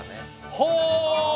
はあ！